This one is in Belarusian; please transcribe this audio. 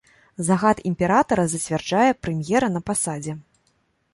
Загад імператара зацвярджае прэм'ера на пасадзе.